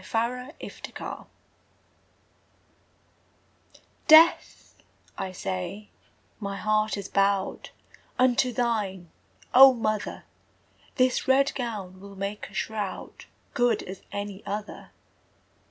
The Shroud Death, I say, my heart is bowed Unto thine, O mother! This red gown will make a shroud Good as any other!